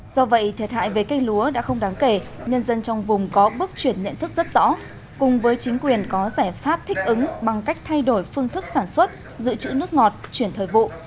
do vậy thiệt hại về cây lúa đã không đáng kể nhân dân trong vùng có bước chuyển nhận thức rất rõ cùng với chính quyền có giải pháp thích ứng bằng cách thay đổi phương thức sản xuất giữ chữ nước ngọt chuyển thời vụ